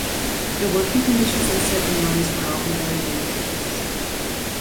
The working conditions inside the mines were often very dangerous.